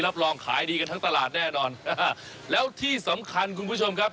รับรองขายดีกันทั้งตลาดแน่นอนอ่าแล้วที่สำคัญคุณผู้ชมครับ